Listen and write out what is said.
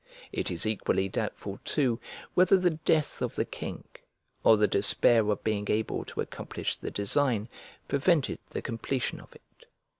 It is equally doubtful too whether the death of the king, or the despair of being able to accomplish the design, prevented the completion of it.